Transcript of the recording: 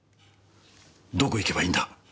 どこへ行けばいいんだ？